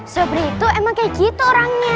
seperti itu emang kayak gitu orangnya